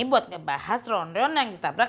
buat ngebahas ronron yang ditabrak